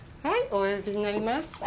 はい大海老になります。